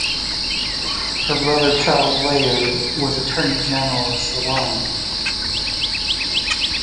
Her brother Charles Layard was Attorney General of Ceylon.